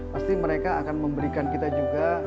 pasti mereka akan memberikan kita juga